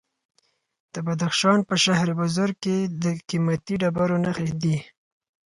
د بدخشان په شهر بزرګ کې د قیمتي ډبرو نښې دي.